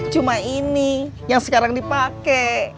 cuma ini yang sekarang dipakai